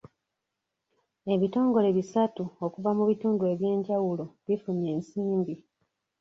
Ebitongole bisatu okuva mu bitundu eby'enjawulo bifunye ensimbi.